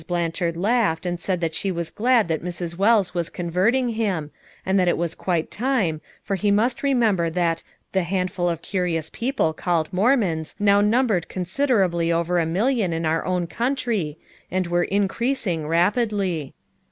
Blanchard laughed and said she was glad that Mrs. Wells was converting 19S FOUR MOTHERS AT CHAUTAUQUA him, and that it was quite time, for he must remember that the "handful of curious people called Mormons" now numbered considerably over a million in our own country, and were in creasing rapidly.